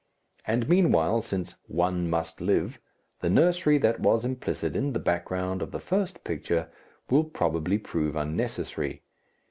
And meanwhile, since "one must live," the nursery that was implicit in the background of the first picture will probably prove unnecessary.